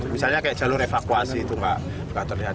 misalnya jalur evakuasi itu tidak terlihat